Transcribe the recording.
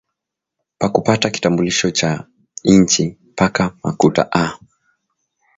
Pakupata kitambulisho kya inchi paka makuta ah